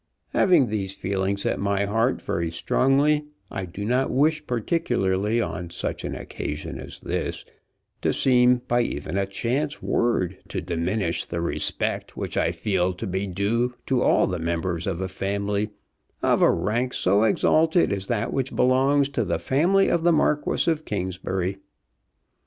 Having these feelings at my heart very strongly I do not wish, particularly on such an occasion as this, to seem by even a chance word to diminish the respect which I feel to be due to all the members of a family of a rank so exalted as that which belongs to the family of the Marquis of Kingsbury.